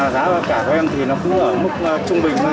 giá cả của em thì nó cứ ở mức trung bình thôi